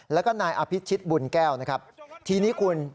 แล้วก็นายอภิชิตบุญแก้วนะครับทีนี้คุณ